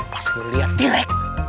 pas ngeliat tirek